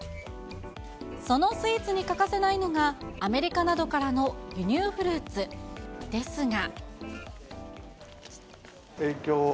そのスイーツに欠かせないのが、アメリカなどからの輸入フルーツ。ですが。